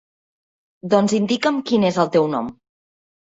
Doncs indica'm quin és el teu nom.